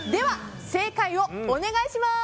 正解をお願いします！